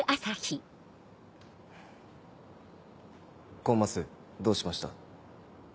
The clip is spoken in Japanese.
コンマスどうしました？